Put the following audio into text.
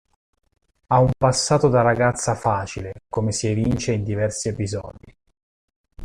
Ha un passato da ragazza "facile" come si evince in diversi episodi.